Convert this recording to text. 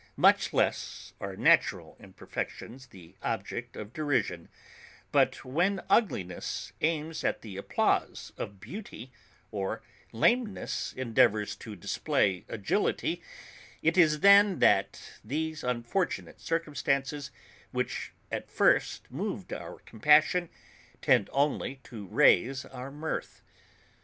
Much less are natural imperfections the object of derision: but when ugliness aims at the applause of beauty, or lameness endeavours to display agility; it is then that these unfortunate circumstances, which at first moved our compassion, tend only to raise our mirth.